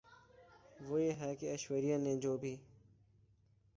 وہ یہ ہے کہ ایشوریا نے جو بھی